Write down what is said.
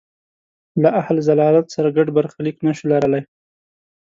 له اهل ضلالت سره ګډ برخلیک نه شو لرلای.